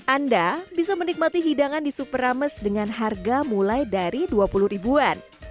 anda bisa menikmati hidangan di super ames dengan harga mulai dari dua puluh ribuan